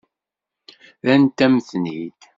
Rrant-am-ten-id.